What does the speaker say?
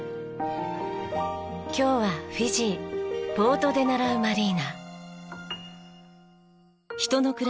今日はフィジーポートデナラウマリーナ。